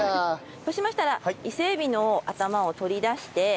そうしましたら伊勢エビの頭を取り出して。